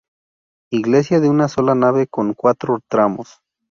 Iglesia de una sola nave con cuatro tramos.